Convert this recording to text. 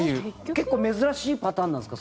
結構珍しいパターンなんですか？